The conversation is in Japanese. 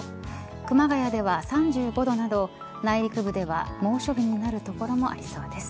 熊谷では３５度など内陸部では猛暑日になる所もありそうです。